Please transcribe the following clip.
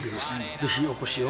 ぜひお越しを。